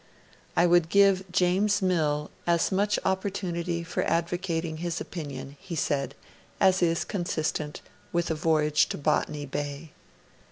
'I would give James Mill as much opportunity for advocating his opinion,' he said, 'as is consistent with a voyage to Botany Bay.'